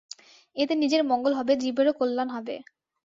এতে নিজের মঙ্গল হবে, জীবেরও কল্যাণ হবে।